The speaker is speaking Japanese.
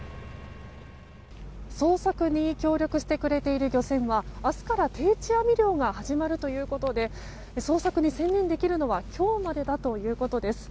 捜索に協力してくれている漁船は明日から定置網漁が始まるということで捜索に専念できるのは今日までだということです。